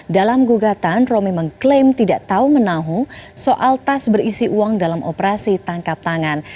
dalam gugatan romi mengklaim tidak tahu menahu soal tas berisi uang dalam operasi tangkap tangan